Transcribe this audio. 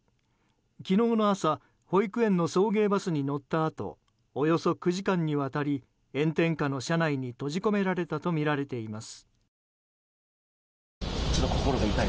昨日の朝保育園の送迎バスに乗ったあとおよそ９時間にわたり炎天下の車内に閉じ込められたとみられています。